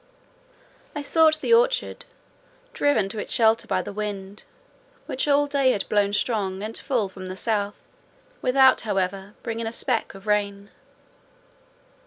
I sought the orchard, driven to its shelter by the wind, which all day had blown strong and full from the south, without, however, bringing a speck of rain.